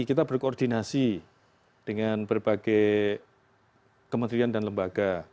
kita berkoordinasi dengan berbagai kementerian dan lembaga